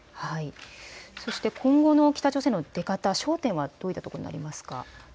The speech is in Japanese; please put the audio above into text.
そして今後の北朝鮮の出方、焦点はどういったところにありますか。